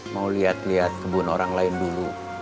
mau liat liat kebun orang lain dulu